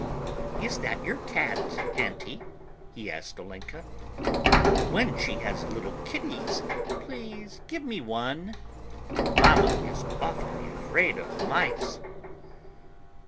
"Is that your cat, auntie?" he asked Olenka. "When she has little kitties, please give me one. Mamma is awfully afraid of mice."